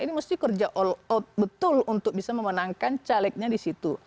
ini mesti kerja all out betul untuk bisa memenangkan calegnya di situ